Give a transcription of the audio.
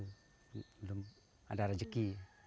belum ada rejeki